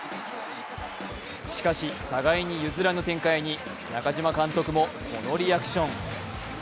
しかし、互いに譲らぬ展開に中嶋監督もこのリアクション。